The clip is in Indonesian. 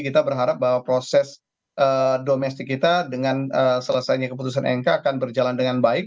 kita berharap bahwa proses domestik kita dengan selesainya keputusan mk akan berjalan dengan baik